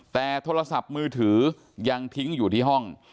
แต่โทรศัพท์มือถือยังทิ้งอยู่ที่ห้อง